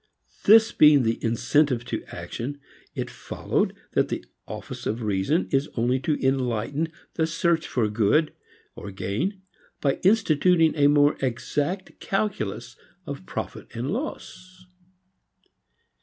This being the "incentive" to action, it followed that the office of reason is only to enlighten the search for good or gain by instituting a more exact calculus of profit and loss.